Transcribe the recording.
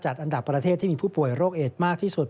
อันดับประเทศที่มีผู้ป่วยโรคเอดมากที่สุด